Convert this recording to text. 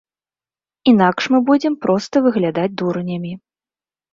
Інакш мы будзем проста выглядаць дурнямі.